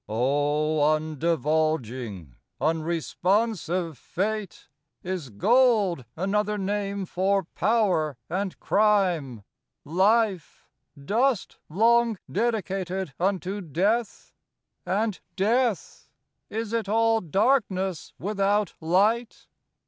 VI O undivulging, unresponsive fate, Is gold another name for power and crime? Life, dust long dedicated unto death? And death? is it all darkness without light?